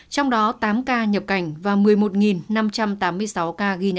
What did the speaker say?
trong đó tám ca nhập cảnh và một mươi một năm trăm tám mươi sáu ca